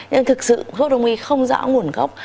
nhưng thực sự hốt đông y không rõ nguồn gốc